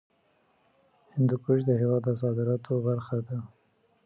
هندوکش د هېواد د صادراتو برخه ده.